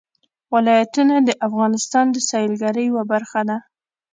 ولایتونه د افغانستان د سیلګرۍ یوه برخه ده.